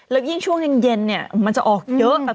แล้วยิ่งช่วงเย็นเนี่ยมันจะออกเยอะแบบ